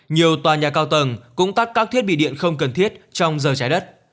nhiều tòa nhà cao tầng cũng tắt các thiết bị điện không cần thiết trong giờ trái đất